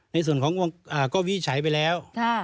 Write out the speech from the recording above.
ในส่วนของก็วิจัยไปแล้ว